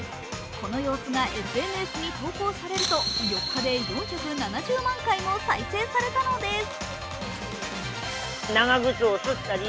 この様子がＳＮＳに投稿されると４日で４７０万回も再生されたのです。